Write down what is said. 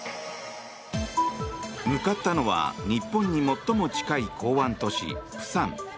向かったのは日本に最も近い港湾都市、釜山。